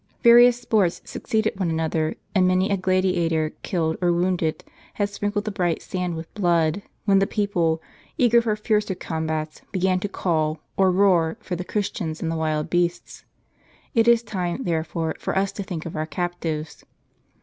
Various sports succeeded one another ; and many a gladi ator killed, or wounded, had sprinkled the bright sand with blood, when the people, eager for fiercer combats, began to call, or roar for the Christians and the wild beasts. It is time, therefore, for us to think of our captives.